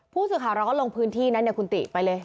ผู้สื่อข่าวเราก็ลงพื้นที่นะคุณติไปเลย